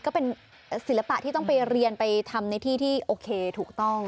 ก็เป็นศิลปะที่ต้องไปเรียนไปทำในที่ที่โอเคถูกต้อง